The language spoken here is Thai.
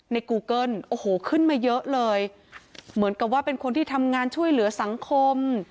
กูเกิ้ลโอ้โหขึ้นมาเยอะเลยเหมือนกับว่าเป็นคนที่ทำงานช่วยเหลือสังคม